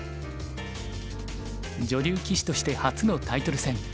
女流棋士として初のタイトル戦。